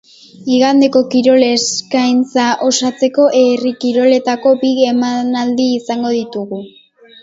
Igandeko kirol eskaintza osatzeko herri kiroletako bi emanaldi izango ditugu.